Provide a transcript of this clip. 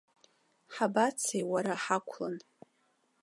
Ҳабацеи, уара, ҳақәлан?